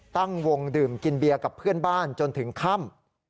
ตั้งวงดื่มกินเบียร์กับเพื่อนบ้านจนถึงค่ำ